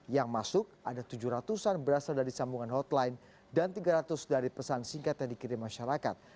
yang masuk ada tujuh ratus an berasal dari sambungan hotline dan tiga ratus dari pesan singkat yang dikirim masyarakat